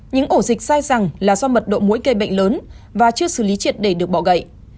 những ổ dịch dài rằng là do mật độ mũi gây bệnh lớn và chưa xử lý triệt để được bỏ gậy